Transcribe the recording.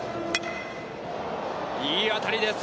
いい当たりです。